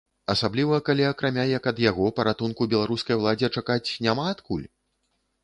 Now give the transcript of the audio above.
Асабліва, калі акрамя як ад яго, паратунку беларускай уладзе чакаць няма адкуль?